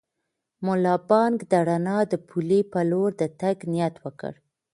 ملا بانګ د رڼا د پولې په لور د تګ نیت وکړ.